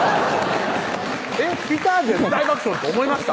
「えっピタっ」で大爆笑って思いました？